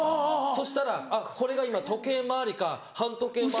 そしたらあっこれが今時計回りか反時計回りか。